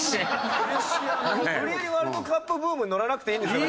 無理やりワールドカップブームに乗らなくていいんですから。